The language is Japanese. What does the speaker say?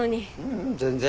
ううん全然。